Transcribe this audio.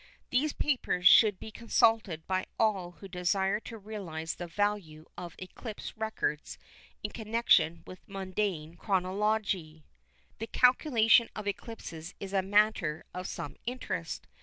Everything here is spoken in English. These papers should be consulted by all who desire to realise the value of eclipse records in connection with mundane chronology. The calculation of eclipses is a matter of some interest.